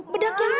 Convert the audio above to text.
bedak yang mana